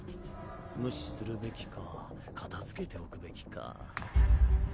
無視するべきか片づけておくべきか。